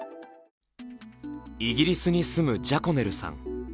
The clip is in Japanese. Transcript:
イギリスに住むジャコ・ネルさん。